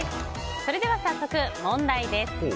それでは早速問題です。